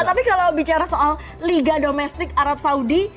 tapi kalau bicara soal liga domestik arab saudi